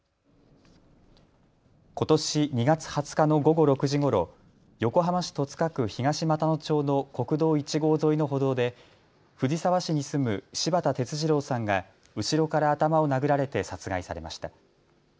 ことし２月２０日の午後６時ごろ横浜市戸塚区東俣野町の国道１号沿いの歩道で藤沢市に住む柴田哲二郎さんが後ろから頭を殴られて殺害されました。